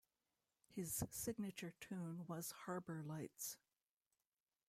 His signature tune was "Harbor Lights".